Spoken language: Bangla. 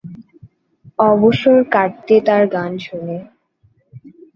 অবসর কাটে তার গান শুনে।